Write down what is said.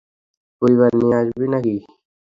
পরিবার নিয়ে আসবি নাকি?